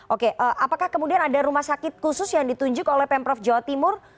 oke apakah kemudian ada rumah sakit khusus yang ditunjuk oleh pemprov jawa timur